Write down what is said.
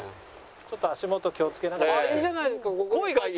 ちょっと足元気をつけながら。